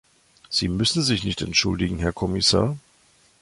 Sie müssen sich nicht entschuldigen, Herr Kommissar.